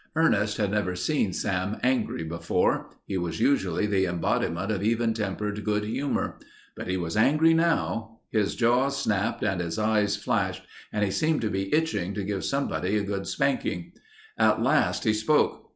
Ernest had never seen Sam angry before; he was usually the embodiment of even tempered good humor. But he was angry now. His jaws snapped and his eyes flashed, and he seemed to be itching to give somebody a good spanking. At last he spoke.